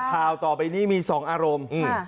ชาวต่อไปนี้มีสองอารมณ์